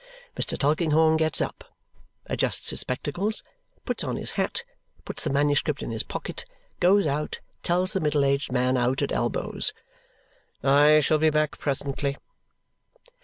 Mr. Tulkinghorn gets up, adjusts his spectacles, puts on his hat, puts the manuscript in his pocket, goes out, tells the middle aged man out at elbows, "I shall be back presently."